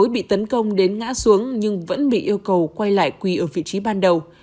bị tấn công đến ngã xuống nhưng vẫn bị yêu cầu quay lại quỳ ở vị trí ban đầu